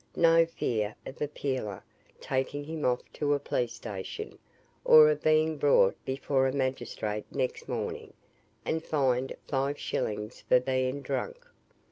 No fear of a "peeler" taking him off to a police station, or of being brought before a magistrate next morning, and "fined five shillings for being drunk."